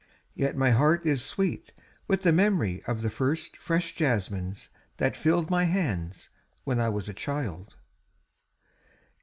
Yet my heart is sweet with the memory of the first fresh jasmines that filled my hands when I was a child.